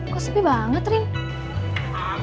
kok sepi banget rin